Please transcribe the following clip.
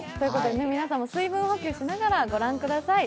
皆さんも水分補給しながら御覧ください。